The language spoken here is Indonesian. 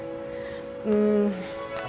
bagaimana menurut ibu nawang